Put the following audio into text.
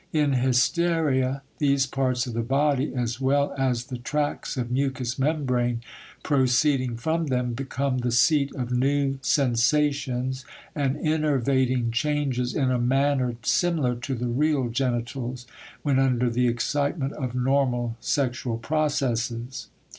In hysteria these parts of the body, as well as the tracts of mucous membrane proceeding from them, become the seat of new sensations and innervating changes in a manner similar to the real genitals when under the excitement of normal sexual processes.